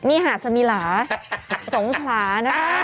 นี่หาสมีหลาสงขลานะ